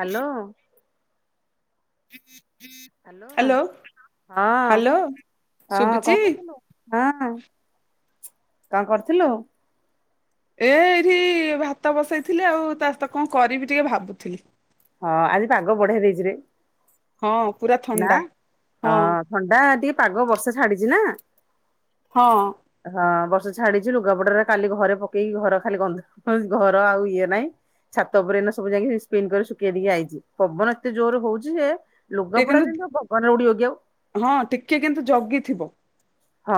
Hello. Hello hello ହଁ ଶୁଭୁଚି। କଣ କରୁଥିଲୁ? ହଁ କଣ କରିଥିଲୁ। ଏ ଏଇଠି ଭାତ ବସେଇଥିଲି। ଆଉ ତା ସହିତ କଣ କରିବି ଟିକେ ଭାବୁଥିଲି। ହଁ ଆଜି ପାଗ ବଢ଼ିଆ ଦେଇଛି ରେ। ହଁ ପୁରା। ନା ଥଣ୍ଡା ହଁ ଥଣ୍ଡା ଟିକେ ପାଗ ବର୍ଷା ଛାଡିଛି ନା। ହଁ। ହଁ ବର୍ଷା ଛାଡିଛି ଲୁଗାପଟରେ କାଲି ଘରେ ପକେଇକି ଘର ଖାଲି ଗନ୍ଧ। ହ ଘର ଆଉ ଇଏ ନାଇଁ। ଛାତ ଉପରେ ସବୁ ଯାଇକ ସ୍ପିନ, କରି ଶୁଖେଇ ଦେଇକି ଆଇଛି ପବନ ଏତେ ଜୋରରେ ହଉଛି ଯେ ଟିକେ କପଡ଼ା କିନ୍ତୁ ଯେମିତି ଆଉ ପବନ ରେ ଉଡ଼ିବ କି ଆଉ। ହଁ ଟିକେ କିନ୍ତୁ ଜଗିଥିବ। ହଁ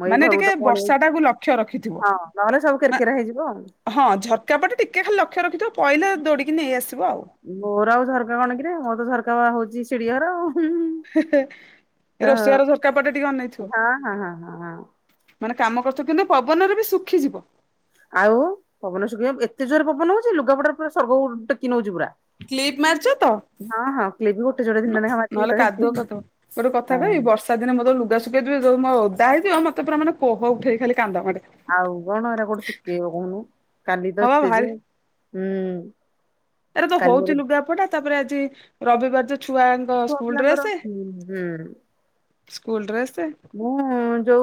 ମୁଁ ଏଇ ମାନେ ଘରକୁ ଟିକେ ତ ପଳେଇ ବର୍ଷା ଆଇଛି। ଟାକୁ ଲକ୍ଷ୍ୟ ରଖିଥିବ। ହଁ ନହେଲେ ସବୁ କେର କେରା ହେଇଯିବ ଆଉ। ହଁ ଝରକା ପଟେ ଟିକେ ଖାଲି ଲକ୍ଷ୍ୟ ରଖିଥିବ ପଡିଲେ ଦୌଡ଼ିକି ନେଇଆସିବ ଆଉ। ମୋର ଆଉ ଝରକା କଣ, କିରେ ମୋର ତ ଝରକା ହଉଛି ଶିଡିଘର ଆଉ। ହଁ ରୋଷେଇ ଘର ଝରକା ପଟେ ଟିକେ ଅନେଇ ହଁ ହଁ ହଁ ହଁ ହଁ। ମାନେ କାମ କରୁଛି କିନ୍ତୁ ପବନରେ ବି ଶୁଖିଯିବ। ଆଉ ପବନ ଶୁଖି ଏତେ ଜୋରେ ପବନ ହଉଛି। ଲୁଗାପଟ ପୁରା ସର୍ବ ଟେକି ନଉଛି ପୁରା। କ୍ଲିପ୍ ମାରିଛ ତ? ହଁ ହଁ କ୍ଲିପ ଗୋଟେ ଯୋଡେ ତିନିଟା ଲେଖା ମାରିଚି ନହେଲେ ଗୋଟା କାଦୁଅ ଜାଗାରେ। କରିଦେବ ଗୋଟେ କଥା, ହଁ କହିବି ବର୍ଷା। ସେଦିନ ମୁଁ ଯୋଉ ଲୁଗା ଶୁଖାଇ ଥିବି ଯଉ ଓଦା ହେଇଯିବ। ମତେ ପୁରା ମାନେ କୋହ ଉଠେଇ ଖାଲି କାନ୍ଦ ମାଡେ। ଆଉ କଣ ଏରା କଉଠୁ ଶୁଖେଇବ କହୁନୁ। କାଲି ତ ହଁ ବା ଏତେ ଯେ ଭାରି ହୁଁ। ଏରା ତ କାଲି ମୋର ହଉଛି ଲୁଗାପଟା। ତାପରେ ଆଜି ରବିବାର ଯେ ଛୁଆ ଛୁଆ ପିଲାଙ୍କର ହୁଁ ହୁଁ। School dress. ହୁଁ। ଯୋଉ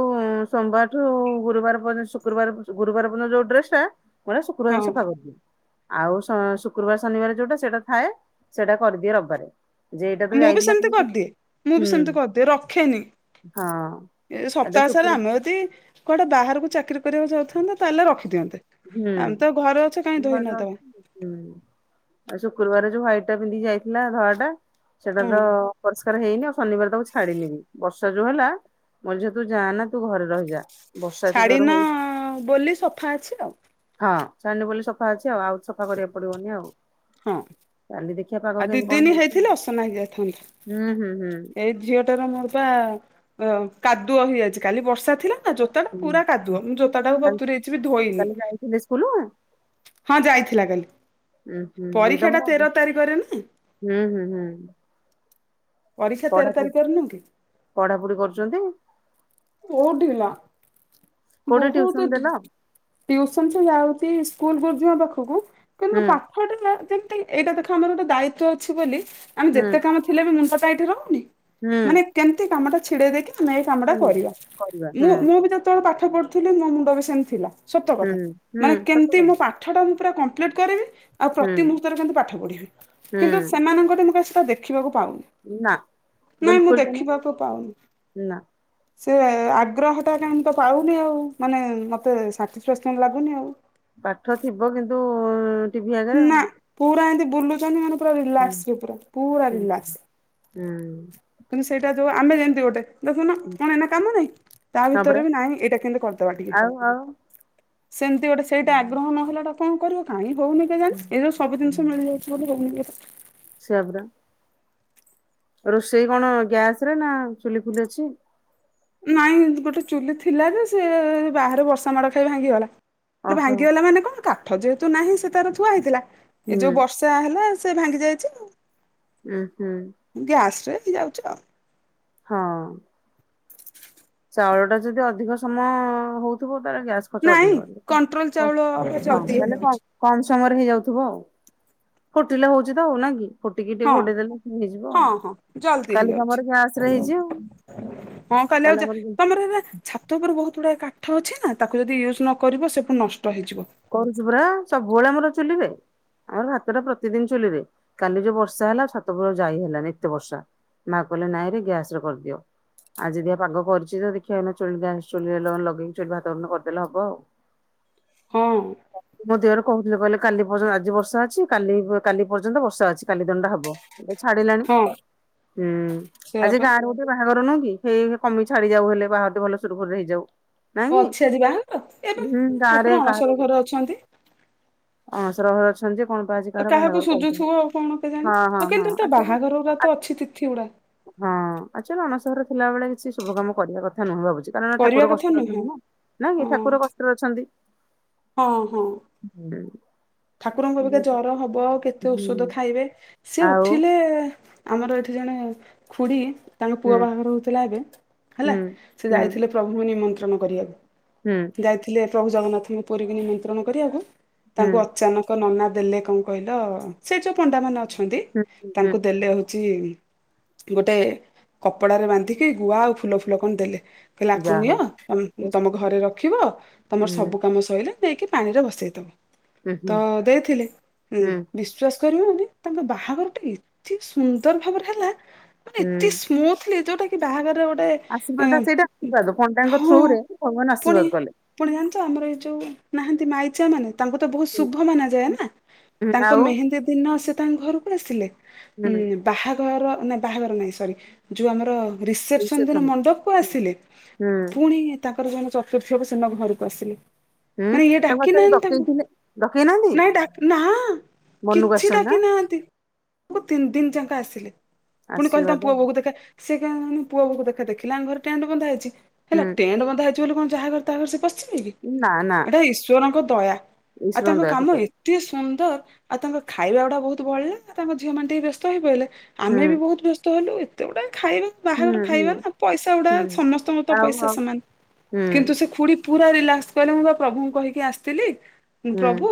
ସୋମବାର ଠୁ ଗୁରୁବାର ପର୍ଯ୍ୟ ଶୁକ୍ରବାର ଗୁରୁବାର ପର୍ଯ୍ୟନ୍ତ ଯୋଉ ଡ୍ରେସ ଟା। ମୁଁ ହେରା ହଁ ଶୁକ୍ରବାର ସଫା କରୁଛି। ଆଉ ଶୁକ୍ରବାର ଶନିବାର ଯୋଉଟା ସେଇଟା ଥାଏ ସେଇଟା କରିଦିଏ ରବିବାରେ। ଯେ ଏଇଟା ତ ମୁଁ ବି ଯାଇଥିଲା ସେମିତି ହୁଁ କରିଦିଏ। ମୁଁ ବି ସେମିତି କରିଦିଏ ରଖେନି। ହଁ ଏ ଏଟା ସପ୍ତାହ ସାରା ଶୁକ୍ର ଆମେ ଯଦି କୁଆଡେ ବାହାରକୁ ଚାକିରି କରିବାକୁ ଯାଉଥାନ୍ତେ ତାହେଲେ ରଖିଦିଅନ୍ତେ। ଆମେ ହୁଁ ତ ଘରେ ଅଛ କାହିଁ ଧୋଇ ଘରେ ନଦେବ। ଅଛି ହୁଁ ଆଉ ଶୁକ୍ରବାରେ ଯୋଉ ହ୍ୱାଇଟ ଟା ପିନ୍ଧିକି ଯାଇଥିଲା ଧଳା ଟା ସେଟା ହଁ। ତ ପରିଷ୍କାର ହେଇନି ଆଉ ଶନିବାର ତାକୁ ଛାଡିନି ବ ର୍ଷା ଯୋଉ ହେଲା ମୋ ଝିଅ ତୁ ଯା ନା ତୁ ଘରେ ରହି ଯା। ଛାଡ଼ିନ ବୋଲି ସଫା ଅଛି ତ। ହଁ [unintelligible] ଅଛି ଆଉ ଆଉ ସଫା କରିବାକୁ ପଡିବନି ଆଉ। ହଁ କାଲି ଦେଖିବା ପାଗ ଆଉ ଦି କେମିତି କଣ ଦିନି ହଉଛି ଆଉ ହେଇଥିଲେ। ଅସନା ହେଇଯାଇଥାନ୍ତା। ହୁଁ ହୁଁ ହୁଁ ଏଇ ଝିଅଟା ର ମୋର ପା କାଦୁଅ ହେଇଯାଇଛି। କାଲି ବର୍ଷା ଥିଲା। ନା ଜୋତାଟା ହୁଁ ପୁରା ହୁଁ। କାଦୁଆ ମୁଁ ଜୋତାଟାକୁ କାଲି ବତୁରେଇଛି ବି ଧୋଇନି। କାଲି ଯାଇଥିଲେ ସ୍କୁଲ ହଁ ଯାଇଥିଲା କାଲି ଉଁ ହୁଁ ଏଇ ତମର ପରୀକ୍ଷାଟା ଆଗ ତେର ତାରିଖରେ ନା। ହୁଁ ହୁଁ ହୁଁ। ପରୀକ୍ଷା ତେର ପଢାପଢି ତାରିଖରେ ନୁହେଁ କି। ପଢାପଢି କରୁଛନ୍ତି। ବହୁ ଢିଳା କୋଉଠି ଟିଉସନ ବହୁତ ଢ- ଦେଲ ଟ୍ୟୁଉସନ ସେ ଯାଉଚି ସ୍କୁଲ ଗୁରୁଜୀଙ୍କ ପାଖକୁ କିନ୍ତୁ ହୁଁ ପା- [unintelligible] ଏଇଟା ଦେଖ ଆମର ଗୋଟେ ଦାୟିତ୍ୱ ଅଛି ବୋଲି ଆମେ ହୁଁ ଯେତେ କାମ ଥିଲେ ବି ମୁଁ ମୁଣ୍ଡଟା ଏଇଠି ରହୁନି। ହୁଁ ମାନେ କେମିତି କାମ ଟା ଛିଡେଇ ଦେଇକି ଆମେ ଏଇ କାମ ହୁଁ କରିବା। କରିବା ମୁଁ ହୁଁ ମୁଁ ବି ଯେତେବେଳେ ପାଠ ପଢୁଥିଲି, ମୋ ମୁଣ୍ଡ ବି ସେମତି ଥିଲା। ହୁଁ ସତକଥା ହୁଁ ମାନେ ସତ କେମତି କଥା ମୋ ପା ପାଠଟା ମୁଁ ପୁରା କମ୍ପ୍ଲିଟ୍ କରିବି। ଆଉ ହୁଁ ପ୍ରତି ମୁହୂର୍ତ୍ତରେ କେମିତି ପାଠ ପଢିବି ହୁଁ କିନ୍ତୁ ସେମାନଙ୍କଠି ମୁଁ କାଇଁ ସେଇ ଟା ଦେ ଦେଖିବାକୁ ପାଉନି, ନା ନାଇଁ ମୁଁ ବିଲକୁଲ ବି ନା ଦେଖିବାକୁ ପାଉନି। ନା। ସେ ଆଗ୍ରହ ଟା କାଇଁ ମୁଁ ତ ପାଉନି। ମାନେ ମତେ ସାଟିସଫାକ୍ସନ ଲାଗୁନି ଆଉ। ପାଠ ଥିବ କିନ୍ତୁ ଟିଭି ଆଗରେ ଆଉ। ନା ପୁରା ଏମତି ବୁଲୁଛନ୍ତି ମାନେ ପୁରା ହୁଁ ରିଲାସ୍କରେ ପୁରା, ପୁରା ରିଲାସ୍କ୍। ହୁଁ। କିନ୍ତୁ ସେଇଟା ଯ ଆମେ ଯେମିତି ଗୋଟେ - ଦେଖୁନ ହୁଁ କଣ ଏନା କାମ ନାଇଁ ତା ହଁ ପରା ଭିତରେ ବି ନାହିଁ ଏଇଟା କିନ୍ତୁ କରିଦବା ଟିକେ- ଆଉ ଆଉ ସେମିତି ଗୋଟେ ସେଇଟା ଆଗ୍ରହ ନହେଲେ ଏଟା କଣ କରିବ। କାହିକି ହଉନି ହୁଁ, କେଜାଣି ଏଇ ଯଉ ସବୁ ଜିନିଷ ମିଳିଯାଇଛି। [inaudible] ସେଇଆ ପରା ରୋଷେଇ କଣ ଗ୍ୟାସରେ ନା ଚୁଲି ଫୁଲି ଅଛି। ନାଇଁ ଗୋଟେ ଚୁଲି ଥିଲା ଯେ ସେ ବାହାରେ ବର୍ଷା ମାଡ଼ ଖାଇ ଭାଙ୍ଗିଗଲା। ଓହୋ ଭାଙ୍ଗିଗଲା ମାନେ କଣ କାଠ ଯେହେତୁ ନାହିଁ ସେ ତାର ଥୁଆ ହେଇଥିଲା ଏ ହୁଁ ଯୋଉ ବର୍ଷା- ହେଲା ସେ ଭାଙ୍ଗି ଯାଇଛି ଆଉ। ଉୁଁ ହୁଁ। ଗ୍ୟାସରେ ହେଇଯାଉଛି ଆଉ। ହଁ। ଚାଉଳଟା ଯଦି ଅଧିକ ସମୟ ହଉଥିବ ତାର ଗ୍ୟାସ୍ ନାଇଁ [unintelligible] କଣ୍ଟ୍ରୋଲ ଚାଉଳ ଜଲଦି ହେଇଯାଉଛି କମ ସମୟରେ ହେଇଯାଉଥିବ ଆଉ ଫୁଟିଲେ ହଉଛି ତ ନ କି? ଫୁଟିକି ଟିକେ ହଁ। ଘୋଡେଇ ଦେେଲେ ହେଇଯିବ। ହଁ ହଁ ଜଲ୍ଦି କାଲି ହେଇଯାଉଛି ତମର ଗ୍ୟାସ ରେ ହେଇଚି ଆଉ। [unintelligible] ଛାତ କାଲି ଆମର ଉପରେ ବହୁତ ଗୁଡାକ କାଠ ଅଛି ନା ତାକୁ ଯଦି ୟୁଜ୍ ନ କରିବ ସେ ପୁଣି ନଷ୍ଟ ହେଇଯିବ। କରୁଛୁ ପୁରା ସବୁବେଳେ ଆମର ଚୁଲିରେ। ଆମର ଭାତଟା ପ୍ରତିଦିନ ଚୁଲିରେ। କାଲି ଯୋଉ ବର୍ଷା ହେଲା ଛାତ ଉପରକୁ ଯାଇ ହେଲାନି ଏତେ ବର୍ଷା। ମା କହିଲେ ନାଇଁରେ ଗ୍ୟାସରେ କରିଦିଅ। [unintelligible] ହଁ। ମୋ ଦିଅର କହୁଥିଲେ କହିଲେ କାଲି ପର୍ଯ୍ୟନ୍ତ ଆଜି ବର୍ଷା ଅଛିା କାଲି ପର୍ଯ୍ୟନ୍ତ ବର୍ଷା ଅଛି କାଲି ଦିନଟା ହବ। ଛାଡିଲାଣି ହଁ ହୁଁ ସେଇଆ ଆଜି ପା ଗାଁରୁ- ସେ ବାହାଘ ନୁହଁକି ସେଇ କମି ଛାଡି ଯାଉ ହେଲେ ବାହା ଘରଟି ଭଲ ସୁରୁଖରୁରେ ହେଇଯାଉ। ଓ ନାହି ଅଛି ଆଜି ବାହାଘର ଏବେ ହଁ ଗାଁ ଠାକୁର ରେ ଅଣସର କାହାରକି? ଘରେ ଅଛନ୍ତି। ହଁ ଶ ସଞ୍ଜି କଣ ପାଇଁ ଆଜି କାହାର ବନେଇ କାହାକୁ ବାକୁ କହୁଥିଲେ ସୁଜୁଥିବ ଆଉ କଣ କେଜାଣି ହଁ ହଁ ହଁ କିନ୍ତୁ ଏଟା ଆକ୍ଚୃଲି ବାହାଘର ଗୁରା ଆ ତ ଅଛି ତିଥି ଗୁଡା ହଁ ଆକ୍ଚୃଲି ଅନଶହର ରେ ଥିଲା ବେଳେ କିଛି ଶୁଭ କାମ କରିବା କଥା ନୁହେଁ ଭାବୁଚି। କାରଣ କରିବା ଠାକୁର କଥା କଷ୍ଟରେ ନୁହେଁ ଅଛନ୍ତି, ନା ନାଇଁ କି ହଁ ଠାକୁର କଷ୍ଟରେ ଅଛନ୍ତି। ହଁ ହଁ। ହୁଁ। [unintelligible] ଠାକୁରଙ୍କୁ ବୋଧେ ଯେହେତୁ ଜର ହବ କେତେ ହୁଁ ଔଷଧ ଖାଇବେ ସେି ଆଉ ଉଠିଲେ- ଆମର ଏଠି ଜଣେ ଖୁଡ଼ି ତାଙ୍କ ହୁଁ ପୁଅ ବାହାଘର ହୋଉଥିଲା ଏବ, ହେଲା ହୁଁ ସେ ହୁଁ ଯାଇଥିଲେ। ପ୍ରଭୁଙ୍କୁ ନିମନ୍ତ୍ରଣ କରିବାକୁ। ହୁଁ ଯାଇଥିଲେ ପ୍ରଭୁ ଜଗନ୍ନାଥଙ୍କ ପୁରୀକୁ ନିମନ୍ତ୍ରଣ କରିବାକୁ ହୁଁ ତାଙ୍କୁ ଅଚାନକ ନନା ଦେଲେ କଣ କହିଲ ସେ ଯୋଉ ପଣ୍ଡା ମାନେ ଅଛନ୍ତି। ହୁଁ ହୁଁ ତାଙ୍କୁ ଦେଲେ ହଉଛି ଗୋଟେ କପଡ଼ାରେ ବାନ୍ଧିକି ଗୁଆ ଆଉ ଫୁଲ, ଫୁଲ କଣ ଦେଲେ। କହିଲେ ଆକୁ ଯା ନିଅ ହଉ ହୁଁ ତମ ଘରେ ରଖିବ ତମର ସବୁ ହୁଁ କାମ ସରିଲ ଦେଇକି ପାଣିରେ ବସେଇବ ତ ହୁଁ ଦେଇଥିଲେ। ହଁ ହୁଁ ବିଶ୍ୱାସ କରିବୁନି ତାଙ୍କ ବାହାଘର ଟା ଏତେ ସୁନ୍ଦର ଭାବରେ ହେଲା। ମାନେ ଏତେ ହୁଁ ମୁଁ ଥିଲି ଯୋଉଟା କି ବାହାଘରରେ ଗୋଟେ ଆଶୀର୍ବାଦ ଉଁ ସେଇଟା, ଆଶୀର୍ବାଦ ପଣ୍ଡାଙ୍କ ହଁ ଥ୍ରୁ ରେ ଭଗବାନ ପୁଣି ଆଶୀର୍ବାଦ କଲେ। ପୁଣି ଜାଣିଛ, ଆମର ଏଇ ଯୋଉ ନାହାନ୍ତି ମାଇଚିଆ ମାନେ ତାଙ୍କୁ ତ ବହୁତ ହୁଁ ଶୁଭ ମାନା ଯାଏ ନା ହୁଁ ତାଙ୍କ ଆଉ ମେହେନ୍ଦୀ ଦିନ ସେ ତାଙ୍କ ଘରକୁ ଆସିଲେ। ଉ ହୁଁ ବାହାଘର ନାହିଁ ବାହାଘର ନାହିଁ ସରି, ଯେଉଁ ଆମର ରିସେପସନ ଦିନ ମଣ୍ଡପ କୁ ହୁଁ ଆସିଲେ। ହୁଁ ପୁଣି ତାଙ୍କର ଯୋଉ ଦିନ ଚତୁର୍ଥୀ ହବ ସେଦିନ ଘରକୁ ଆସିଲେ। ହୁଁ ମାନେ ଇଏ ତାଙ୍କୁ ଡାକି ଆକ୍ଚୁଆଲି ନାହାନ୍ତି ତାଙ୍କୁ। ଡକେଇଥିଲେ ଡକେଇ ନାହାନ୍ତି? ନାଇଁ ଡାକ ନା ମନକୁ କିଛି ଆସିଛନ୍ତି ନା ଡାକି ନାହାନ୍ତି। ପାଖକୁ ତିନି, ଦିନ ଯାକ ଆସିଲେ। ପୁଣି କହିଲେ ଆଶୀର୍ବାଦ ତାମ ପୁଅ ବୋଉକୁ ଦେଖା। ସେ କାହିଁ କହନି, ପୁଅୁ ବୋହୁ କୁ ଦେଖା ଦେଖିଲ ଆଙ୍କ ଘରେ ଟେଣ୍ଟ ବନ୍ଧା ହେଇଛି। ହୁଁ ହେଲା ଟେଣ୍ଟ ବନ୍ଧା ହେଛି ବୋଲି କଣ ଯହା ତା ପରେ ସେ ପଶିିବେ କି? ନା ନା ଏଇଟା ଈଶ୍ୱରଙ୍କ ଦୟା, ଆଉ ତାଙ୍କ ଈଶ୍ୱରଙ୍କ ଦୟା କାମ ସତରେ ଏତେ ସୁନ୍ଦର, ଆଉ ତାଙ୍କ ଖାଇବା ଗୁଡା ବହୁତ ବଳିଲା। ଆଉ ତାଙ୍କ ଝିଅ ମାନେ ଟିକେ ବ୍ୟସ୍ତ ହେଇ ପଇଲେ। ହୁଁ ଆମେ ବି ବହୁତ ବ୍ୟସ୍ତ ହେଲୁ, ଏତେ ଗୁଡ଼ାଏ ଖାଇବା। ବାହାରର ହୁଁ ହୁଁ ଖାଇବା ନା ପଇସା ଗୁଡା ହୁଁ। ସମସ୍ତଙ୍କ ତ ଆଉ ପଇସା ଆଉ ସମାନ। ହୁଁ କିନ୍ତୁ ସେ ଖୁଡି ପୁରା ରିଲାକ୍ସ, କହିଲେ ମୁଁ ବା ପ୍ରଭୁଙ୍କୁ କହିକି ଆସିଥିଲି। ହୁଁ ପ୍ରଭୁ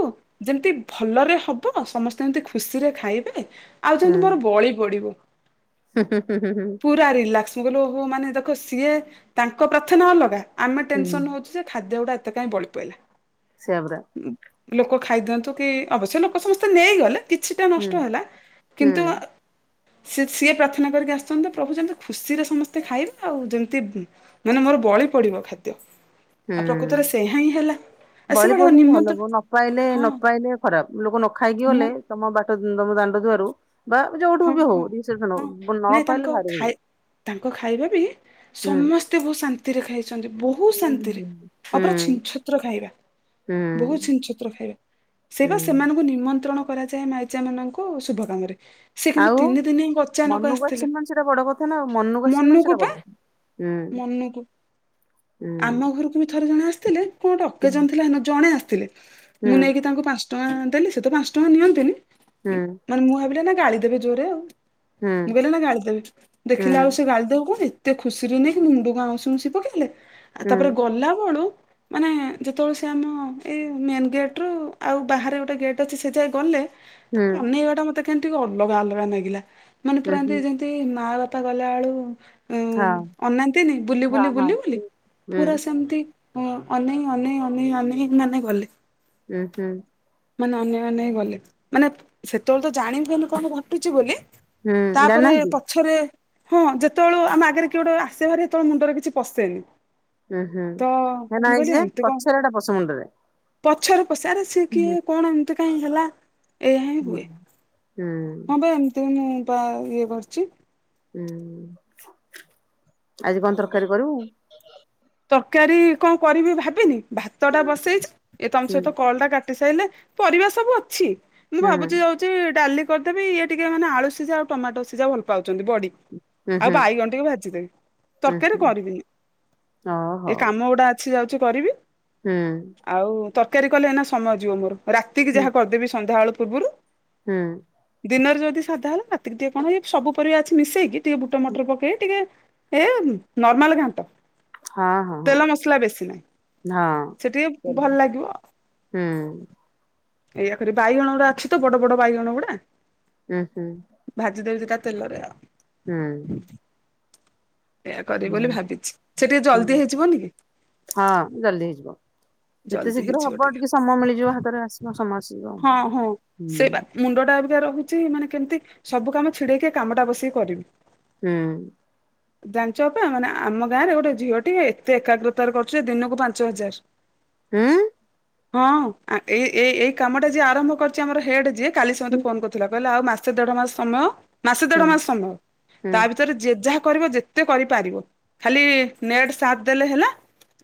ଯେମିତି ଭଲରେ ହବ, ସମସ୍ତେ ଏମିତି ଖୁସିରେ ଖାଇବେ। ଆଉ ହୁଁ ଯେମିତି ମୋର ବଳି ପଡିବ। ହୁଁ ହୁଁ ହୁଁ ହୁଁ ହୁଁ ଉଁ ପୁରା ରିଲାକ୍ସ, ମୁ କହିଲ ଓ ହୋ ମାନେ ଦେଖ ସିଏ ତାଙ୍କ ପ୍ରାର୍ଥନା ଅଲଗା। ଆମେ ହୁଁ ଟେନସନ୍ ହେଉଛୁ ଯେ ଖାଦ୍ୟ ଉଡା ଏତେ କାହିଁ ବଳି ପଇଲା। ସେଆପରା ଉୁଁ ଲୋକ ଖାଇଦିଅନ୍ତୁ କି ଅବଶ୍ୟ ଲୋକ ସମସ୍ତେ ନେଇଗଲେ କିଛିଟା ହୁଁ ନଷ୍ଟ ହେଲା ହୁଁ କିନ୍ତୁ ଉ ସେ ସିଏ ପ୍ରାର୍ଥନା କରିକି ଆସୁଛନ୍ତି ପ୍ରଭୁ ଯେମିତି ଖୁସିରେ ସମସ୍ତେ ଖାଇବା ଆଉ ଯେମିତି ମାନେ ମୋର ବଳି ପଡିବ ଖାଦ୍ୟ ଆଉ ହୁଁ। ପ୍ରକୃତରେ ସେଇ ଆ ହିଁ ହେଲା ଆ ସେଆଡ ନି ମ [inaudible] ଲୋକ ନ ପାଇଲେ ନ ପାଇଲେ ଖରାପ ଲୋକ ନ ଖାଇକି ମୁଁ ଗଲେ ତମ ବାଟ ତମ ଦାଣ୍ଡ ଦୁଆରୁ ବା ଯୋଉଠୁ ହଁ ବି ହଉ ହଁ ରିସେସ୍ପନ୍ ହଉ ହଁ ଲୋକ ନ ନାଇଁ ତାଙ୍କ ପାଇଲେ ଭାରି ଖାଇ ଇଏ। ତାଙ୍କ ଖାଇବା ବି ହୁଁ ସମସ୍ତେ ବହୁତ୍ ଶାନ୍ତିରେ ଖାଇ ଛନ୍ତି ବହୁତ୍ ହୁଁ ଶାନ୍ତିରେ ଆଉ ହୁଁ ହୁଁ ପୁରା ଛିନ୍ ଛତ୍ ତ୍ର ଖାଇବା ହୁଁ ବହୁ ଛିନ୍ ଛତ୍ର ଖାଇବା ସେଇ ବା ହୁଁ ସେମାନଙ୍କୁ ନିମନ୍ତ୍ରଣ କରାଯାଏ ମାଇ ପୂଜା ମାନଙ୍କୁ ଶୁଭ କାମରେ ସେ କିନ୍ତୁ ଆଉ ତିନି ଦିନି ହି ଅଚାନକ ମନକୁ ଆସିଥିଲେ ଆସିନି ମାନେ ସେଇଟା ବଡ କଥା ନା ଆଉ ମନକୁ ଆସିନି ମାନେ ସେଇଟା ମନୁକୁ ବଡ ବା। କଥା। ହୁଁ ମନକୁ। ହୁଁ। ମେ ଥରେ ଜଣେ ଆସିଥିଲେ କଣ ଗଟେ ଅକେଜନ୍ ହୁଁ ଥିଲା ସେଦିନ ଜଣେ ଆସିଥିଲେ। ମୁଁ ହୁଁ ନେଇକି ତାଙ୍କୁ ପାଞ୍ଚ ଟଙ୍କା ଦେଲି ସେ ତ ପାଞ୍ଚ ଟଙ୍କା ନିଅନ୍ତିନି ହୁଁ ମାନେ ମୁଁ ଭାବିଲି ଏଇଟା ଗାଳି ଦେବେ ଜୋରେ ଆଉ ହୁଁ ମୁଁ କହିଲି ଏଇନା ଗାଳି ଦେବେ ହୁଁ ଦେଖିଲା ଆଳୁ ସେ ଗାଳି ଦେବ କୁଣି ଏତେ ଖୁସିରେ ନେଇକି ମୁଣ୍ଡୁକୁ ଆଉଁସି ଆଉଁସି ପକେଇଲେ ଆଉ ତାପରେ ଗଲା ବଳୁ ହ [inaudible] ଯେତେବେଳେ ସେ ଆମ ଏଇ ମେନ୍ ଗେଟ୍ ରୁ ଆଉ ବାହାରେ ଗୋଟେ ଗେଟ୍ ଅଛି ସେ ଯାଏ ଗଲେ ହୁଁ ତାଙ୍କ ଅନେଇବାଟା ମତେ କେମିତି ଟିକେ ଅଲଗା ଅଲଗା ଲାଗିଲା ମାନେ ହଁ ହଁ ପୁରା ଏମିତି ଯେମିତି ତି ମା ବାପା ଗଲା ବେଳୁ ଉଁ ଅନାନ୍ତିନି ବୁଲି ବୁଲି ହଁ ବୁଲି ବୁଲି ହୁଁ ହୁଁ ପୁରା ସେମିତି ହଁ ଅନେଇ ଅନେେଇ ଅନେଇ ଅନେଇ ମାନେ ଗଲେ। ହୁଁ ହୁଁ। ମାନେ ଅନେଇ ଅନେଇ ଗଲେ ମାନେ ସେତେ ବେଳକୁ ତ ଜାଣି ପାରୁନୁ କଣ ଘଟ ଟିଛି ବୋଲି ହୁଁ ତାପରେ ଜାଣିନାହାନ୍ତି ପ ପଛରେ ହଁ ଯେତେବେଳେ ଆମ ଆଗରେ କିଏ ଗୋଟେ ଆସେ ଭାରେ ସେତେବେଳେ ମୁଣ୍ଡରେ କିଛି ପଶେନି। ହୁଁ ହୁଁ ତ ହେ ନାଇଁ ଯେ ପଛରେ ହେଟା ମଣ୍ଡରେ। ପଛେରେ ପସେ ଆରେ ସିଏ କିଏ କଣ ଏମିତି କାଇଁ ହେଲା ଏଇଆ ହିଁ ହୁଏ ହୁଁ। ହଁ ବା ଏମିତି ମୁଁ ବା ଇଏ କରିଛି। ହୁଁ ଆଜି କଣ ତରକାରୀ କରିବୁ? ତରକାରୀ କଣ କରିବି ଭାବିନି ଭାତ ଟା ବସେଇଛି ଏ ତମ ହୁଁ ସହିତ କଲ୍ ଟା କାଟି ସାଇଲେ ପରିବା ସବୁ ଅଛି ମୁଁ ହୁଁ ଭାବୁଛି ଯାଉଛି ଡାଲି କରିଦେବି ଇଏ ଟିକେ ମାନେ ଆଳୁ ସିଝା ଆଉ ଟମାଟ ସିଝା ଭଲ ପାଉଛନ୍ତି ବଡ଼ି ହୁଁ ଆଉ ହୁଁ ବାଇଗଣ ଟିକେ ଭାଜିଦେବି। ହୁଁ ତରକାରୀ ହୁଁ କରିବିନି ଓ ଏ ହଉ। କାମ ଗୁଡା ଆଛି ଯାଉଛି କରିବି। ହୁଁ। ଆଉ ତରକାରୀ କଲେ ଏନା ସମୟ ଯିବ ମୋର ରାତିକି ହୁଁ ଯାହା କରିଦେବି ସନ୍ଧ୍ୟା ବଳ ପୂର୍ବରୁ। ହୁଁ। ଦିନରେ ଯଦି ସାଧା ହେଲା ରାତିକି ଟିକେ କଣ ଏଇ ସବୁ ପରିବା ଅଛି ମିଶେଇକି ଟିକେ ବୁଟ ମଟର ପକେଇ ଟିକେ ଏ ନର୍ମାଲ ଘାନ୍ଟ। ହଁ ହଁ ହଁ ତେଲ ମସଲା ବେଶୀ ନାହିଁ ସେଟିକେ ଭଲ ଲାଗିବ ଉ। ହୁଁ। ଏଇୟା କରି ବାଇଗଣ ଗୁଡା ଅଛି ତ ବଡ ବଡ ବାଇଗଣ ଗୁଡା। ହଁ ହୁଁ। ଭାଜି ଦେଇଉଛି ତା ତେଲରେ ଆଉ। ହୁଁ। ଏଇୟା କରିବି ବୋଲି ଭାବିଛି ସେ ଟିକେ ହୁଁ ଜଲଦି ହେଇଯିବନି କି। ହଁ ଜଲଦି ହେଇଯିବ। ଯେତେ ଜଲ୍ଦି ଶୀଘ୍ର ହେଇଯିବ ହବ ଟିକେ ସମୟ ମିଳିଯିବ ହାତରେ ଆସିବ ସମୟ ଆସଯିବ। ମୁଣ୍ଡଟା ଆଧିକା ରହୁଛି ମାନେ କେମିତି ସବୁ କାମ ଛିଡେଇକି କାମଟା ବସିକି କରିବି। ହୁଁ। ଜାଣିଚ ଅପା ମାନେ ଆମ ଗାଁ ରେ ଗୋଟେ ଝିଅ ଟିଏ ଏତେ ଏକାଗ୍ରତାରେ କରୁଛି ଯେ ଦିନକୁ ପାଞ୍ଚ ହଜାର। ହୁଁ। ହଁ ଏଇ ଏ ଏଇ କାମଟା ଯିଏ ଆରମ୍ଭ କରିଛି ଆମର ହେଡ ଯିଏ କାଲି ସେ ମତେ ଫୋନ କରିଥିଲା। କହିଲା ଆଉ ମାସେ ଦେଢ ମାସ ସମୟ ମାସେ ହୁଁ ଦେଢ ମାସ ସମୟ ହୁଁ ହୁଁ ତା ଭିତ ରେ ଯେ ଯାହା କରିବ ଯେତେ କରିପାରିବ ଖାଲି ନେଟ ସାଥ ଦେଲେ ହେଲା।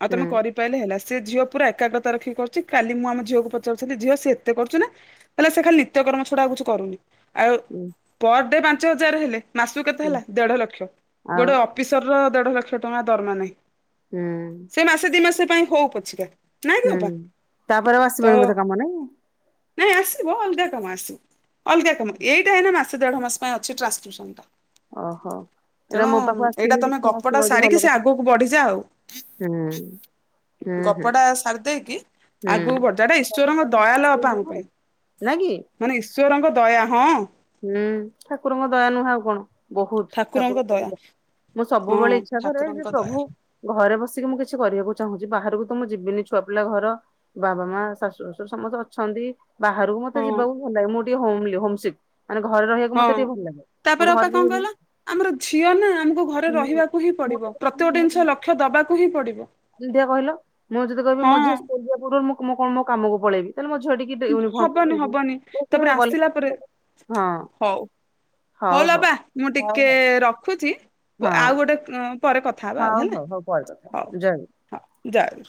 ଆଉ ହୁଁ ତମେ କରିପାରିଲେ ହେଲା। ସେ ଝିଅ ପୁରା ଏକାଗ୍ରତା ରଖି କରୁଛି, କାଲି ମୁଁ ଆମ ଝିଅକୁ ପଚାରୁଥିଲି ଝିଅ ସେ ଏତେ କରୁଛି ନା। କହିଲା ସେ ଖାଲି ନିତ୍ୟକର୍ମ ଛଡା ଆଉ କିଛି କରୁନି। ଆଉ ହୁଁ ପର ଡେ ପାଞ୍ଚ ହଜାର ହେଲେ ମାସକୁ କେତେ ହୁଁ। ହେଲା ଦେଢ ଲକ୍ଷ ଆଉ ଗୋଟେ ଅ ଅଫିସର ର ଦେଢ ଲକ୍ଷ ଟଙ୍କା ଦରମା ନାହିଁ। ହୁଁ। ସେ ମାସେ ଦୁଇ ମାସ ପାଇଁ ହଉ ପଛିକା। ନାଇଁ କି ହୁଁ ଅପା ତାପରେ ଆସିବନି ତ ବୋଧେ କାମ ନାଇଁ। ନାଇଁ ଆସିବ ଅଲଗା କମା ଆସିବ। ଅଲଗା କାମ ଏଇଟା ଏଇନା ମାସେ ଦେଢ ମାସ ପାଇଁ ଅଛି ଟ୍ରାନ୍ସ୍ ସ୍କିପସନ ଟା। ଓହୋ। ଏଇଟା ତେଣୁ ମୋ ପାଖକୁ ଏଇଟା ଆସିନି ତମେ ଦେଖିବା ଆସିବ ଗପଟା ଯଦି ଭଲ ସାରିକି ସେ କଥା ଆଗକୁ ବଢିଯା ଆଉ। ହୁଁ। ହୁଁ ହୁଁ ହୁଁ। ଗପଟା ସାରି ଦେଇକି ନାଇଁ କି ଆଗକୁ ବଢିଯା ଏଟା ଈଶ୍ୱରଙ୍କ ଦୟା ଲୋ ଅପା ଆମ ପାଇଁ। ନା କି। ମାନେ ଈଶ୍ୱରଙ୍କ ଦୟା ହଁ। ହୁଁ ଠାକୁରଙ୍କ ଦୟା ନୁହଁ ଆଉ କଣ। ବହୁତ ଠାକୁରଙ୍କ ବି ମୁଁ ହଁ ସବୁବେଳେ ଇଚ୍ଛା କରେ ଠାକୁରଙ୍କ ଯେ ଦୟା ପ୍ରଭୁ ଘରେ ବସିକି ମୁଁ କିଛି କରିବାକୁ ଚାହୁଁଛି ବାହାରକୁ ତ ମୁଁ ଯିବିନି ଛୁଆ ପିଲା ଘର। ବାବା ମା ଶାଶୁ ଶଶୁର ସମସ୍ତେ ଅଛନ୍ତି ବାହାରକୁ ମତେ ହଁ ଯିବାକୁ ଭଲ ଲାଗେ ମୁଁ ଟିକେ ହୋମଲି ହମସିକ୍। ହଁ ତାପରେ ଅପା ଘରେ କଣ ରହିବି କହିଲା ଆମର ଝିଅ ନା ଆମକୁ ଘରେ ହୁଁ ରହିବାକୁ ହିଁ ମୁଁ ପଡିବ। ଯଦି ପ୍ରତ୍ୟ ଗୋଟି ଜିନିଷ ଲକ୍ଷ୍ୟ ଦବାକୁ ହିଁ ପଡିବ। ଦୁିଧିଆ କହିଲ ମୁଁ ଯଦି କହିବି ମୋ ଝିଅ ହଁ ଆସିବା ପୂର୍ବରୁ ମୁଁ କଣ ମୋ କାମକୁ ପଳେଇବି। ତାହେଲେ ମୋ ଝିଅ ଟିକି ୟୁନିଫର୍ମ ହବନି ପିନ୍ଧେଇବି ହବନି ତ ତାପରେ ସେ ଗଲା ଆସିଲା ପରେ ହଁ ହଉ। ହଉଲ ହଉ ଅପା ମୁଁ ହଉ ଟିକେ ହଉ ରଖୁଛି ହଉ ଆଉ ହଁ ଗୋଟେ ପରେ କଥା ହଉ ହଉ ହଉ ପରେ କଥା ଜୟ ଗୁରୁ। ହଁ ଜାର।